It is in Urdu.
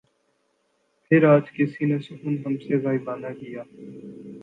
پھر آج کس نے سخن ہم سے غائبانہ کیا